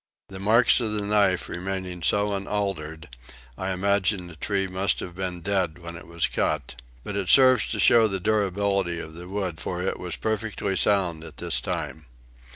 The marks of the knife remaining so unaltered, I imagine the tree must have been dead when it was cut; but it serves to show the durability of the wood for it was perfectly sound at this time.